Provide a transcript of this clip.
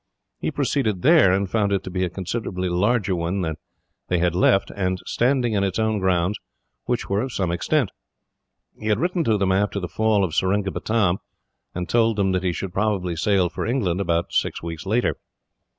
He proceeded there, and found it to be a considerably larger one than that they had left, and standing in its own grounds, which were of some extent. He had written to them after the fall of Seringapatam, and told them that he should probably sail for England about six weeks later.